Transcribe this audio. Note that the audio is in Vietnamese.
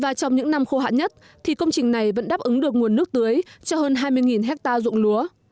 và trong những năm khô hạn nhất thì công trình này vẫn đáp ứng được nguồn nước tưới cho hơn hai mươi hectare dụng lúa